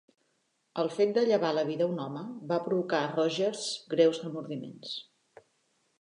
El fet de llevar la vida a un home va provocar a Rogers greus remordiments.